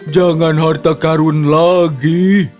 jangan harta karun lagi